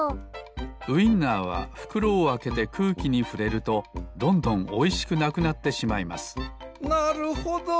ウインナーはふくろをあけてくうきにふれるとどんどんおいしくなくなってしまいますなるほど！